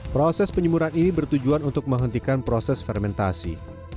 proses penyemuran ini bertujuan untuk menghentikan proses fermentasi